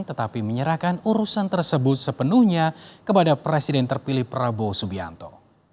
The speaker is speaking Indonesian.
tetapi menyerahkan urusan tersebut sepenuhnya kepada presiden terpilih prabowo subianto